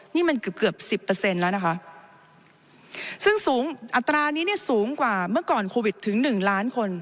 นี่มันเกือบ๑๐แล้วนะคะซึ่งอัตรานี้สูงกว่าเมื่อก่อนโควิดถึง๑ล้านคน